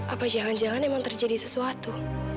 apa jangan jangan emang terjadi sesuatu